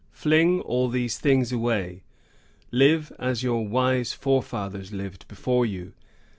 Fling all these things away; live as your wise forefathers lived before you.